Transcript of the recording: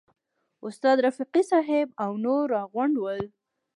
استاد رفیقي صاحب او نور راغونډ ول.